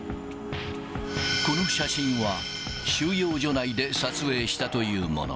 この写真は、収容所内で撮影したというもの。